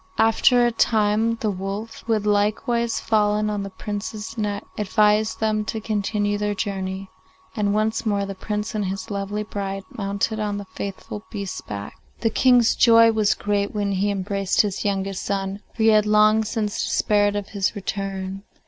After a time the wolf, who had likewise fallen on the Prince's neck, advised them to continue their journey, and once more the Prince and his lovely bride mounted on the faithful beast's back. The King's joy was great when he embraced his youngest son, for he had long since despaired of his return.